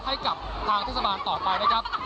ให้กับทางเทศบาลต่อไปนะครับ